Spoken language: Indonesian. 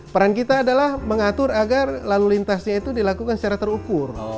peran kita adalah mengatur agar lalu lintasnya itu dilakukan secara terukur